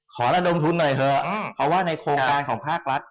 ระดมทุนหน่อยเถอะเพราะว่าในโครงการของภาครัฐ